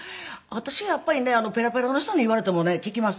私はやっぱりねペラペラの人に言われてもね聞きません。